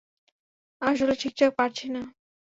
আসলে, ঠিকঠাক পারছি না।